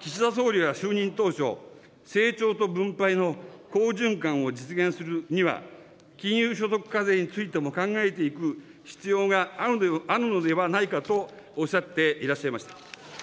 岸田総理は就任当初、成長と分配の好循環を実現するには、金融所得課税についても考えていく必要があるのではないかとおっしゃっていらっしゃいました。